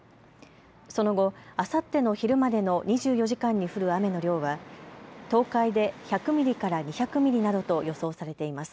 その後、あさっての昼までの２４時間に降る雨の量は東海で１００ミリから２００ミリなどと予想されています。